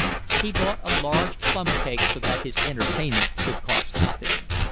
He bought a large plum cake so that his entertainment should cost nothing.